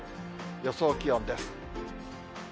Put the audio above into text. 予想気温です。